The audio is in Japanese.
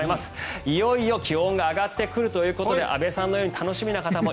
いよいよ気温が上がってくるということで安部さんのように楽しみな方も